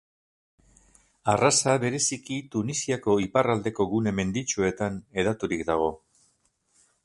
Arraza bereziki Tunisiako ipar aldeko gune menditsuetan hedaturik dago.